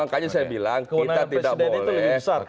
makanya saya bilang kita tidak boleh